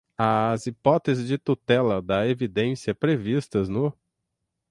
às hipóteses de tutela da evidência previstas no